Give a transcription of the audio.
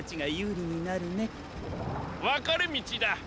わかれみちだ。